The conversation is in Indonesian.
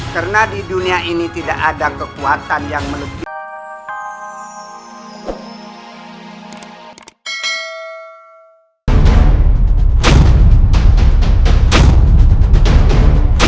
karena di dunia ini tidak ada kekuatan yang menutupi